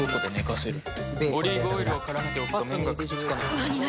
オリーブオイルを絡めておくと麺がくっつかない。